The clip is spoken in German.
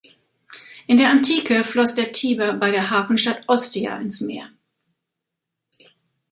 In der Antike floss der Tiber bei der Hafenstadt Ostia ins Meer.